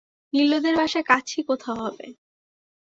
নীলুদের বাসা কাছেই কোথাও হবে।